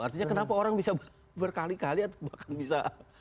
artinya kenapa orang bisa berkali kali atau bahkan bisa